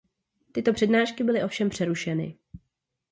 Tyto přednášky byly ovšem přerušeny.